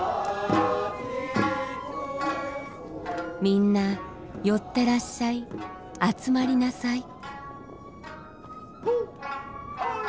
「みんな寄ってらっしゃい集まりなさい」。